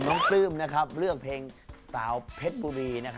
ปลื้มเลือกเพลงสาวเพชรบุรี